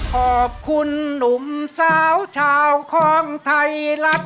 ขอบคุณหนุ่มสาวชาวของไทยรัฐ